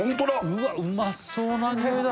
うわっうまそうなにおいだ